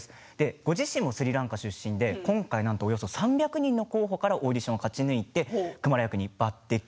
ご自身もスリランカ出身で今回およそ３００人の候補からオーディションを勝ち抜いてクマラ役に抜てき。